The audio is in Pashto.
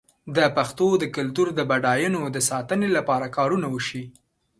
د پښتو د کلتور د بډاینو د ساتنې لپاره کارونه وشي.